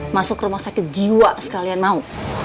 masuk rumah sakit jiwa sekalian mau